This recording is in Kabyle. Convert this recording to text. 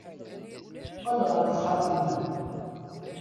Qqel ɣer texxamt-nnem.